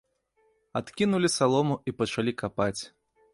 Адкінулі салому і пачалі капаць.